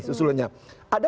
ada pembatasan waktu